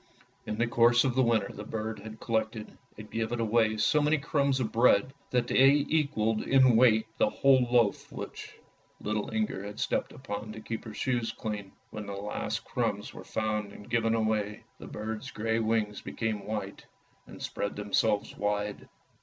In the course of the winter the bird had collected and given away so many crumbs of bread, that they equalled in weight the whole loaf which little Inger had stepped upon to keep her shoes clean. When the last crumbs were found and given away, the bird's grey wings became white and spread them selves wide.